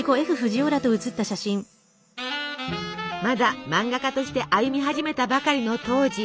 まだ漫画家として歩み始めたばかりの当時。